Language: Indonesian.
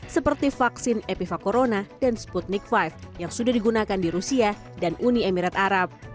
seperti vaksin epiva corona dan sputnik lima yang sudah digunakan di rusia dan uni emirat arab